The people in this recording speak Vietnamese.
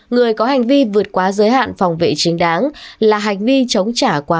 người có hành vi vượt quá giới hạn phòng vệ chính đáng là hành vi chống trả quá